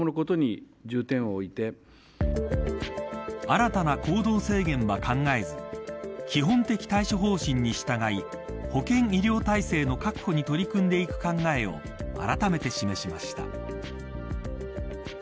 新たな行動制限は考えず基本的対処方針に従い保健・医療体制の確保に取り組んでいく考えをあらためて示しました。